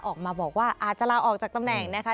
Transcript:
ออกมาบอกว่าอาจจะลาออกจากตำแหน่งนะคะ